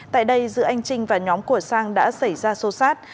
tại đây giữa anh trinh và nhóm của sang đã xảy ra sâu sát